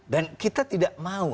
dan kita tidak mau